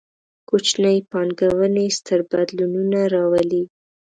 کوچنۍ پانګونې، ستر بدلونونه راولي